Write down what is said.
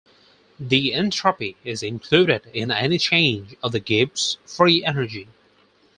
The entropy is included in any change of the Gibbs free energy.